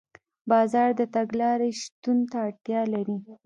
بازار د تګلارې شتون ته اړتیا لري.